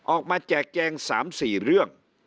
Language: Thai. ออกมาแจกแจง๓๔เรื่อง